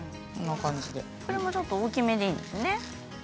これもちょっと大きめでいいんですね。